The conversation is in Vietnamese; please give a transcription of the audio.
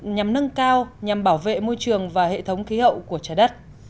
nhằm nâng cao nhằm bảo vệ môi trường và hệ thống khí hậu của trái đất